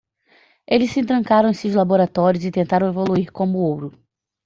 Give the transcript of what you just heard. Eles se trancaram em seus laboratórios? e tentaram evoluir? como o ouro.